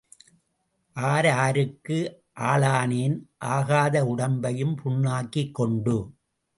R ஆருக்கு ஆளானேன், ஆகாத உடம்பையும் புண்ணாக்கிக் கொண்டு.